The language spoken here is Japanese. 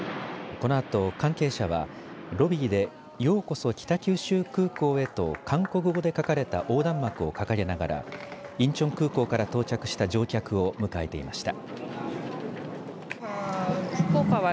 このあと関係者はロビーでようこそ北九州空港へと韓国語で書かれた横断幕を掲げながらインチョン空港から到着した乗客を迎えていました。